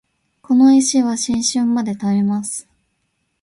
この石は新春まで貯めます